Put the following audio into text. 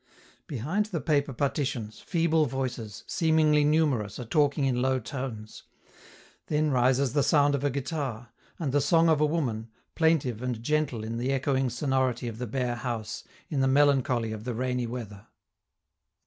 Behind the paper partitions, feeble voices, seemingly numerous, are talking in low tones. Then rises the sound of a guitar, and the song of a woman, plaintive and gentle in the echoing sonority of the bare house, in the melancholy of the rainy weather.